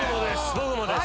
僕もです！